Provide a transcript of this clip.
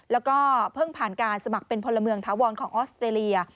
แล้วก็เพิ่งผ่านการสมัครเป็นพลเมืองถาวรของออสเตรเลีย